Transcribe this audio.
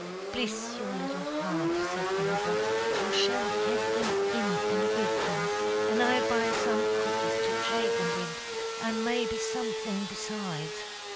"Bliss your little heart!" said the mother; "you shall have thim in an' wilcome, an' I'll buy some cookies to trate thim wid, and maybe something besides.